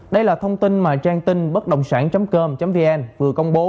đây là thông tin mà trang tin bấtđộngsản com vn vừa công bố